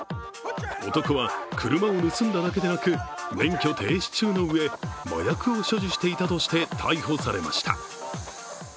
男は車を盗んだだけでなく免許停止中のうえ、麻薬を所持していたとして逮捕されました。